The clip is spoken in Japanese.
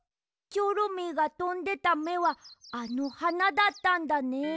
チョロミーがとんでためはあのはなだったんだね。